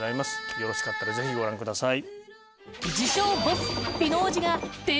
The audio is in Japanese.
よろしかったらぜひご覧ください。